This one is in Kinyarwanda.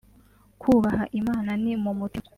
Kubaha Imana ni mu mutima